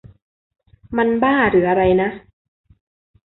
มันบ้าหรืออะไรนะ ?